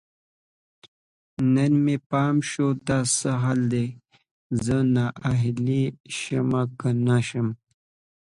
نن مې پام شو، دا څه حال دی؟ زه ناهیلی شم که نه شم